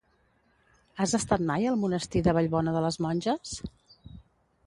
Has estat mai al monestir de Vallbona de les Monges?